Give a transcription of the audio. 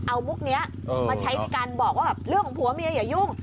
เอามุกนี้มาใช้ในการบอกว่าแบบเรื่องของผัวเมียอย่ายุ่ง